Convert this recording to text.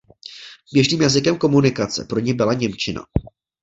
Běžným jazykem komunikace pro ni byla němčina.